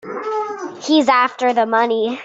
He's after the money.